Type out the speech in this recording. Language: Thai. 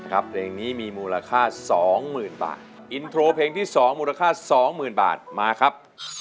เพลงนี้มีมูลค่าสองหมื่นบาทอินโทรเพลงที่๒มูลค่า๒๐๐๐บาทมาครับ